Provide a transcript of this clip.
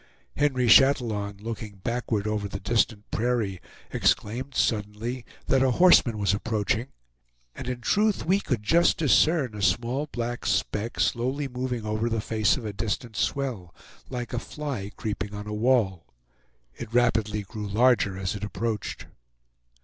Henry Chatillon, looking backward over the distant prairie, exclaimed suddenly that a horseman was approaching, and in truth we could just discern a small black speck slowly moving over the face of a distant swell, like a fly creeping on a wall. It rapidly grew larger as it approached.